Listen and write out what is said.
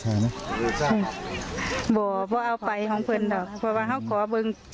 จ้ะลาวาโค้น